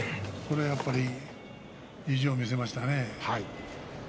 これはやっぱり意地を見せましたね。